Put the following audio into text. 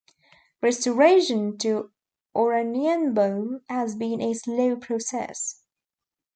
Restoration to Oranienbaum has been a slow process.